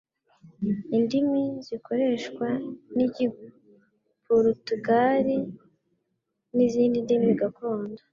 Indimi zikoreshwa n Igiporutugali n'izindi ndimi gakondo